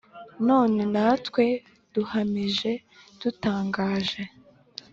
None natwe duhamije dutangaje